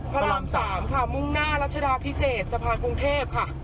พระราม๓ค่ะมุ่งหน้ารัชดาพิเศษสะพานกรุงเทพค่ะ